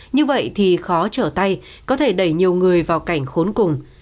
như vậy thì khó trở tay có thể đẩy nhiều người vào cảnh khốn cùng